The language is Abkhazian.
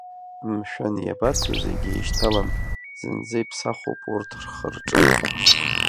Мшәан, иабацо зегь еишьҭалан, зынӡа иԥсахуп урҭ рхырҿы?!